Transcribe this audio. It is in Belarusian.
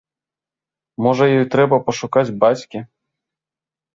Можа ёй трэба пашукаць бацькі.